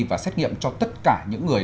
và xét nghiệm cho tất cả những người